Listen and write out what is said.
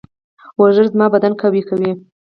ورزش زما بدن قوي کوي.